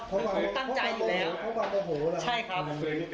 ผมตั้งใจอยู่แล้วใช่ครับ